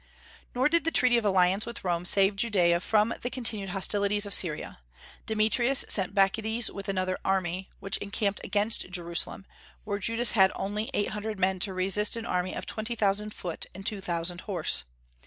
Nor did the treaty of alliance with Rome save Judaea from the continued hostilities of Syria. Demetrius sent Bacchides with another army, which encamped against Jerusalem, where Judas had only eight hundred men to resist an army of twenty thousand foot and two thousand horse.